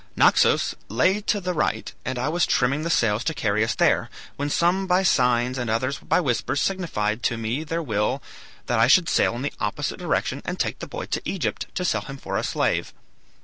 Naxos lay to the right, and I was trimming the sails to carry us there, when some by signs and others by whispers signified to me their will that I should sail in the opposite direction, and take the boy to Egypt to sell him for a slave.